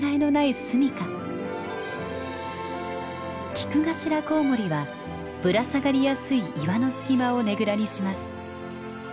キクガシラコウモリはぶら下がりやすい岩の隙間をねぐらにします。